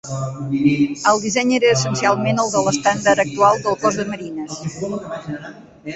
El disseny era essencialment el de l'estàndard actual del Cos de Marines.